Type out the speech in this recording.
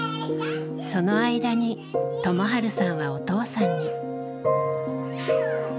その間に友治さんはお父さんに。